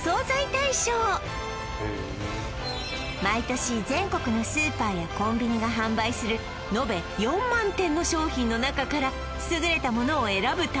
毎年全国のスーパーやコンビニが販売するのべ４万点の商品の中から優れたものを選ぶ